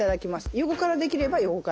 横からできれば横から。